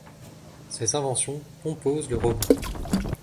Ses inventions composent le roman.